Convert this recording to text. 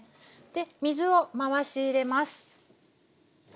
水を回し入れます。